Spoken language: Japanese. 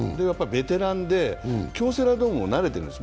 ベテランで、京セラドームにも慣れてるんです。